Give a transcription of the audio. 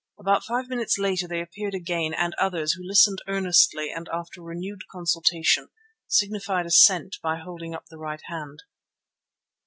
About five minutes later they appeared again and others, who listened earnestly and after renewed consultation signified assent by holding up the right hand.